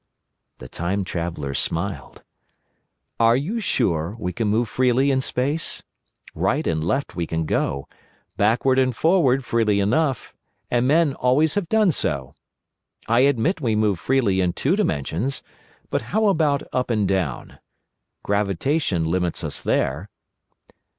The Time Traveller smiled. "Are you so sure we can move freely in Space? Right and left we can go, backward and forward freely enough, and men always have done so. I admit we move freely in two dimensions. But how about up and down? Gravitation limits us there."